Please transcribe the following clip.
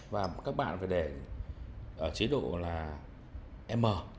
và các bạn phải để chế độ là m